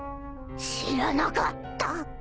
知らなかった。